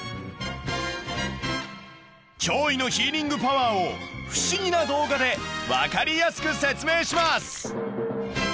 驚異のヒーリングパワーを不思議な動画で分かりやすく説明します！